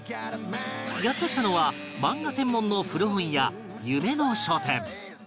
やって来たのは漫画専門の古本屋夢野書店